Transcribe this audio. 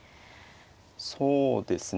そうですね。